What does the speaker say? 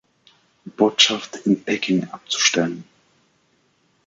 Botschaft in Peking abzustellen.